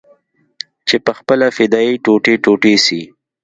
چې پخپله فدايي ټوټې ټوټې سي.